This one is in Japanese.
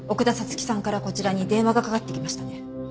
月さんからこちらに電話がかかってきましたね？